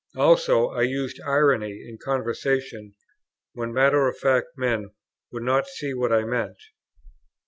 Also I used irony in conversation, when matter of fact men would not see what I meant.